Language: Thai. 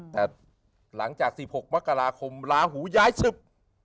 แต่หลังจาก๑๖มกราคมลาหูย้ายศึก